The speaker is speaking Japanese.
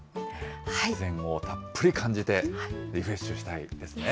自然をたっぷり感じてリフレッシュしたいところですね。